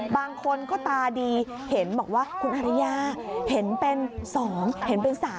บางคนก็ตาดีเห็นบอกว่าคุณอริยาเห็นเป็น๒เห็นเป็น๓